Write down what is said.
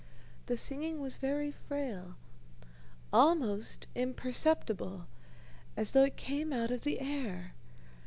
The singing was very frail, almost imperceptible, as though it came out of the air.